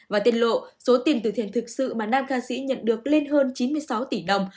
và tiết lộ số tiền từ thiện thực sự mà nam ca sĩ nhận được lên hơn chín mươi sáu tỷ đồng